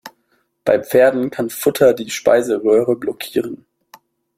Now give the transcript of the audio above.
Bei Pferden kann Futter die Speiseröhre blockieren.